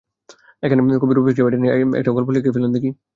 এখন কবি রফিক সাহেব, এটা নিয়ে একটা গল্প লিখে ফেলুন দেখি।